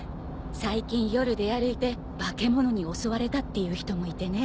最近夜出歩いて化け物に襲われたっていう人もいてね。